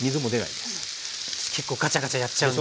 結構ガチャガチャやっちゃうんで。